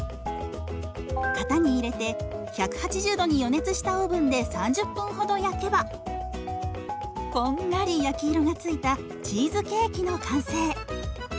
型に入れて１８０度に予熱したオーブンで３０分ほど焼けばこんがり焼き色がついたチーズケーキの完成。